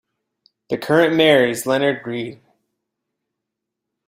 The current mayor is Leonard Reed.